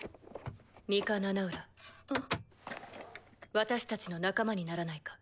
私たちの仲間にならないか？